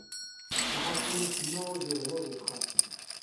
Lḥaṣun, acemma ur d-yeḍhir di texxamt.